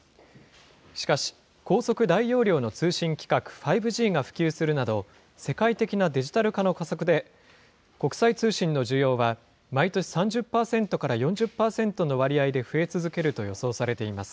しかし、高速大容量の通信規格、５Ｇが普及するなど、世界的なデジタル化の加速で、国際通信の需要は毎年３０％から４０％の割合で増え続けると予想されています。